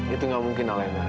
itu gak mungkin alena